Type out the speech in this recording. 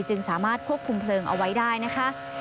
จึงสามารถควบคุมเพลิงเอาไว้ได้นะคะ